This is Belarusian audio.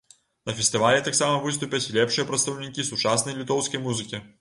На фестывалі таксама выступяць лепшыя прадстаўнікі сучаснай літоўскай музыкі.